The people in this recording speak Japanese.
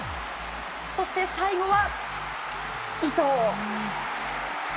そして最後は、伊東。